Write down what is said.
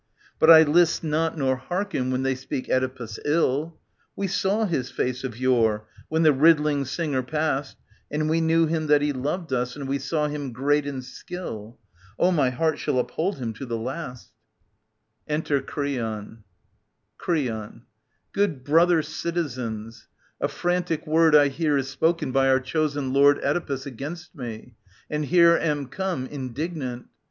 But I list not nor hearken when they speak Oedipus ill. We saw his face of yore, when the riddling singer passed ; And we knew him that he loved us, and we saw him great in skill. Oh, my heart shall uphold him to the last ) 28 '^.513 531 OEDIPUS, KING OF THEBES Enter Creon. ^^' /C< Creon. '^/^'^ Good brother citizens, a frantic word I hear is spoken by our chosen Lord Oedipus against me, and here am come Indignant.